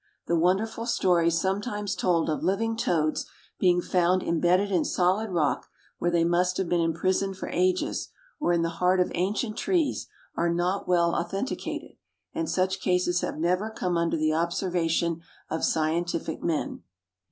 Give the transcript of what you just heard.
The wonderful stories sometimes told of living toads being found imbedded in solid rock, where they must have been imprisoned for ages, or in the heart of ancient trees, are not well authenticated, and such cases have never come under the observation of scientific men.